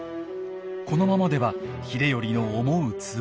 このままでは秀頼の思うつぼ。